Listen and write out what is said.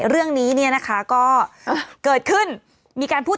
เมื่อไหรมันก็อยู่